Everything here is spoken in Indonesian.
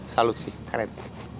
salut sih keren